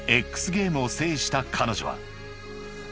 ゲームを制した彼女は］